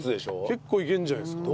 結構いけるんじゃないですか。